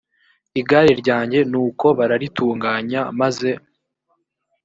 igare ryanjye nuko bararitunganya maze